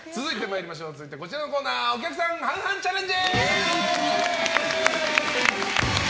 続いてこちらのコーナーお客さん半々チャレンジ！